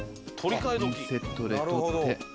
ピンセットで取って。